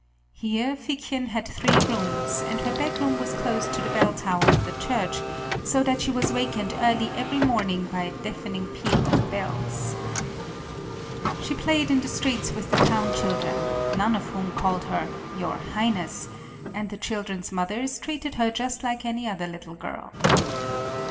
Here Figchen had three rooms, and her bedroom was close to the bell tower of the church, so that she was wakened early every morning by a deafening peal of bells. She played in the streets with the town children, none of whom called her "Your Highness," and the children's mothers treated her just like any other little girl.